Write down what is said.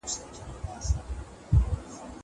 زه اجازه لرم چي کتابتون ته راشم!